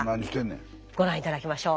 ご覧頂きましょう。